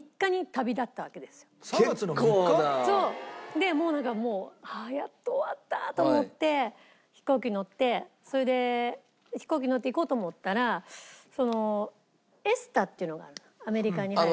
でもうなんかやっと終わったと思って飛行機乗ってそれで飛行機乗って行こうと思ったらＥＳＴＡっていうのがあるのアメリカに入る時。